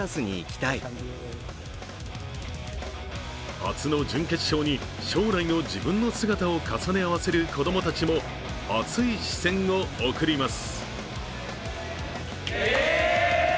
初の準決勝に将来の自分の姿を重ね合わせる子供たちも熱い視線を送ります。